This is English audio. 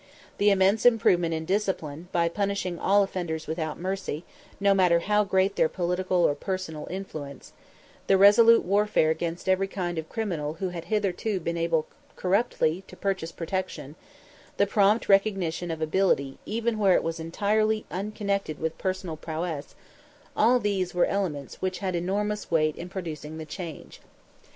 The immense improvement in discipline by punishing all offenders without mercy, no matter how great their political or personal influence; the resolute warfare against every kind of criminal who had hitherto been able corruptly to purchase protection; the prompt recognition of ability even where it was entirely unconnected with personal prowess all these were elements which had enormous weight in producing the change.